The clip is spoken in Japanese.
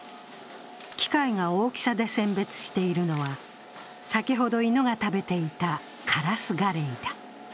機械が大きさで選別しているのは先ほど犬が食べていたカラスガレイだ。